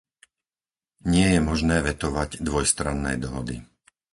Nie je možné vetovať dvojstranné dohody.